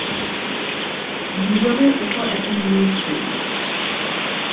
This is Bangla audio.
গুজবের উপর একটা নিউজ করব।